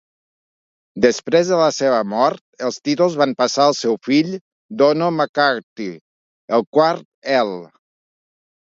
Després de la seva mort, els títols van passar al seu fill Donough MacCarty, el quart earl.